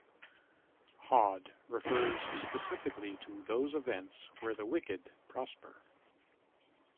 Hod refers specifically to those events where the wicked prosper.